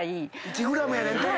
１ｇやねんて。